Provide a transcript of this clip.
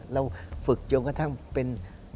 เราฝึกจนกระทั่งเป็น